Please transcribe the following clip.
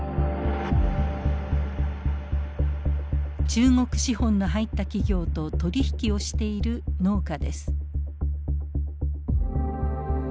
中国資本の入った企業と取り引きをしている農家です。